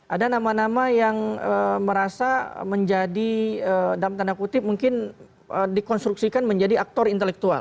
ada nama nama yang merasa menjadi dalam tanda kutip mungkin dikonstruksikan menjadi aktor intelektual